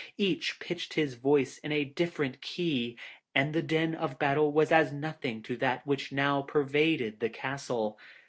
Each pitched his voice in a different key, and the din of battle was as nothing to that which now pervaded the castle.